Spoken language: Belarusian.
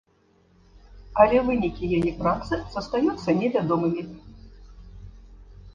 Але вынікі яе працы застаюцца невядомымі.